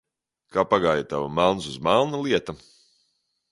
"Kā pagāja tava "melns uz melna" lieta?"